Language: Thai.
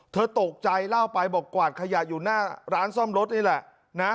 เธอตกใจเล่าไปบอกกวาดขยะอยู่หน้าร้านซ่อมรถนี่แหละนะ